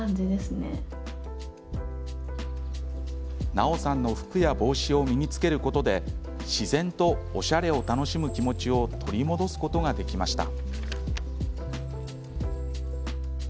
ナオさんの服や帽子を身に着けることで自然とおしゃれを楽しむ気持ちを取り戻すことができました。